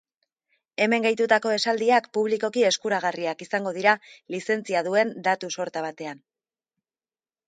Hemen gehitutako esaldiak publikoki eskuragarriak izango dira lizentzia duen datu-sorta batean.